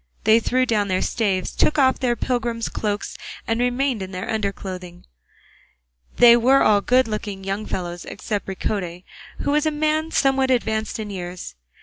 They threw down their staves, took off their pilgrim's cloaks and remained in their under clothing; they were all good looking young fellows, except Ricote, who was a man somewhat advanced in years.